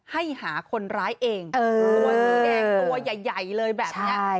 ให้หาคนร้ายเองตัวสีแดงตัวใหญ่เลยแบบนี้